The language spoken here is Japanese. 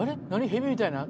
蛇みたいな。